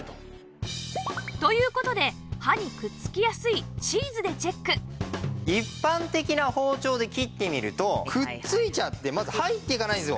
という事で刃にくっつきやすい一般的な包丁で切ってみるとくっついちゃってまず入っていかないんですよ。